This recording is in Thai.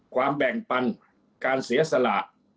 แบ่งปันการเสียสละ